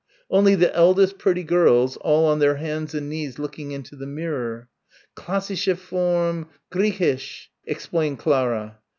... Only the eldest pretty girls ... all on their hands and knees looking into the mirror.... "Classische Form Griechisch," explained Clara.